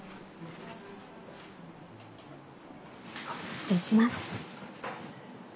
失礼します。